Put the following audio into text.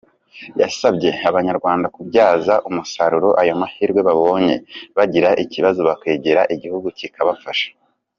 Yasabye Abanyarwanda kubyaza umusaruro aya mahirwe babonye, bagira ikibazo bakegera igihugu kikabafasha.